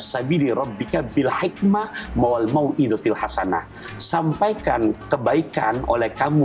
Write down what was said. sampaikan kebaikan oleh kamu